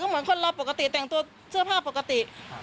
เหมือนคนเราปกติแต่งตัวเสื้อผ้าปกติ